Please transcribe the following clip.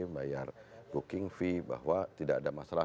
bayar booking fee bahwa tidak ada masalah